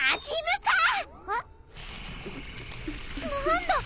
何だ！